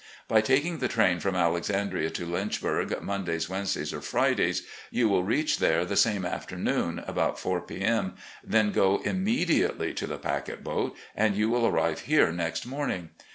By taking the train from Alexandria to Lynchbtirg, Mondays, Wednesdays, or Fridays, you will reach there the same afternoon, about four p. M., then go immediately to the packet boat, and you will arrive here next morning.